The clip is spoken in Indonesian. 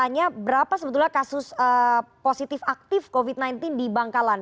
tanya berapa sebetulnya kasus positif aktif covid sembilan belas di bangkalan